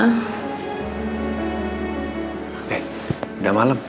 oke udah malam